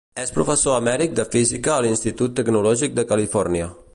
És professor emèrit de física a l'Institut Tecnològic de Califòrnia.